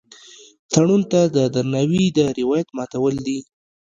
تړون ته د درناوي د روایت ماتول دي.